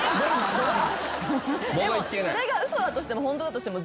でもそれが嘘だとしてもホントだとしても。